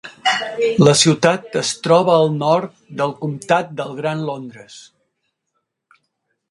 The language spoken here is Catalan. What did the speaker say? La ciutat es troba al nord del comtat del Gran Londres.